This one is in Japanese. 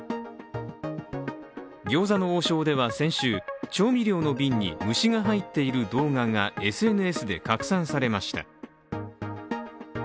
餃子の王将では先週、調味料の瓶に虫が入っている動画がＳＮＳで拡散されました。